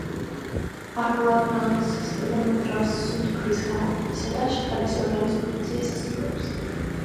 ამბულაკრული სისტემა მოძრაობის, სუნთქვის, გამოყოფისა და შეხების ორგანოს ფუნქციას ასრულებს.